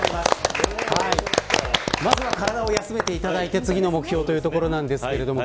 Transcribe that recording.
まずは体を休めていただいて次の目標というところなんですけれども。